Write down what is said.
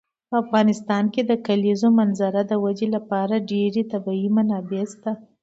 په افغانستان کې د کلیزو منظره د ودې لپاره ډېرې طبیعي منابع شته دي.